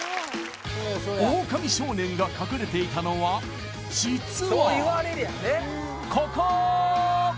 オオカミ少年が隠れていたのは実はここ！